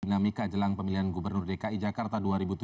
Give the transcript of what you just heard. dinamika jelang pemilihan gubernur dki jakarta dua ribu tujuh belas